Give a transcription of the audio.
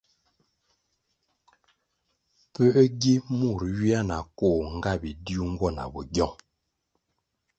Puē gi mur ywia na koh nga bidiu nwo na bogyong?